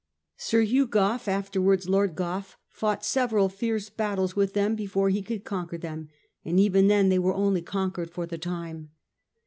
Sir Hugh Gough, afterwards Lord Gough, fought several fierce battles with them before he could conquer them ; and even then they were only conquered for the time.